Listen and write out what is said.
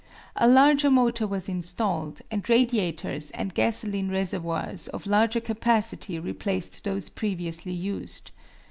A larger motor was installed, and radiators and gasoline reservoirs of larger capacity replaced those previously used.